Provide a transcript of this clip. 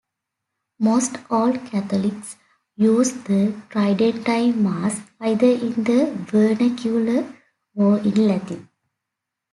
Most Old Catholics use the Tridentine Mass, either in the vernacular or in Latin.